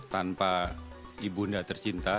tanpa ibu ndak tercinta